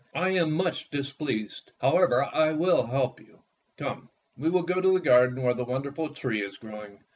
"I am much displeased. However, I will help you. Come, we will go to the garden where the wonder ful tree is growing.